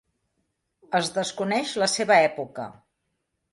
Es desconeix la seva època.